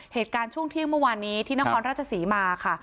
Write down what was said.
เหตุการณ์ช่วงเที่ยงเมื่อวานนี้ที่นครราชศรีมาค่ะ